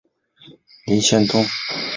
林仙东是一名韩国男子棒球运动员。